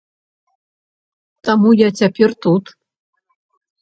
Таму я цяпер тут.